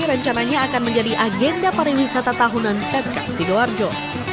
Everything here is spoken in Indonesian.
rencananya akan menjadi agenda pariwisata tahunan pemkap sidoarjo